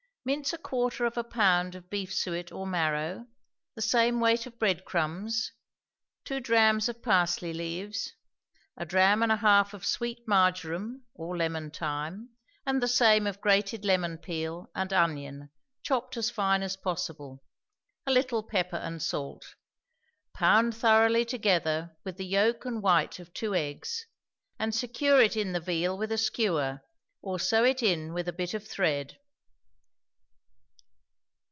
Mince a quarter of a pound of beef suet or marrow, the same weight of breadcrumbs, two drachms of parsley leaves, a drachm and a half of sweet marjoram or lemon thyme, and the same of grated lemon peel and onion chopped as fine as possible, a little pepper and salt; pound thoroughly together with the yolk and white of two eggs, and secure it in the veal with a skewer, or sew it in with a bit of thread.